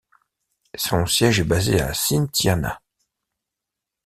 Son siège est basé à Cynthiana.